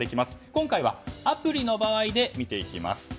今回はアプリの場合で見ていきます。